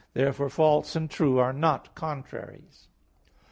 Therefore false and true are not contraries.